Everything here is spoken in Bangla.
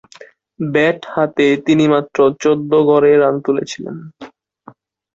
ব্যাট হাতে তিনি মাত্র চৌদ্দ গড়ে রান তুলেছিলেন।